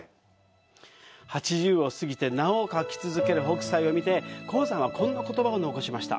８０を過ぎてなお描き続ける北斎を見て、鴻山はこんな言葉を残しました。